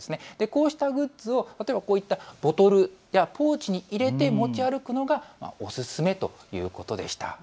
こうしたグッズをボトルやポーチに入れて持ち歩くのがおすすめということでした。